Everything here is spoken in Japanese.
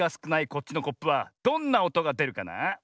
こっちのコップはどんなおとがでるかな？